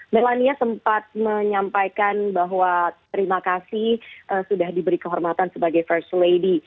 melania sempat menyampaikan bahwa terima kasih sudah diberi kehormatan sebagai first lady